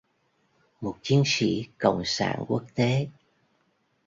một chiến sĩ cộng sản quốc tế